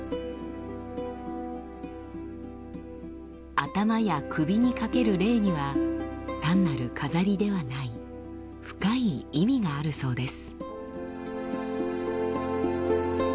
頭や首にかけるレイには単なる飾りではない深い意味があるそうです。